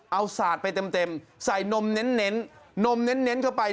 เอาสาดไปเต็มใส่นมเน้นเข้าไป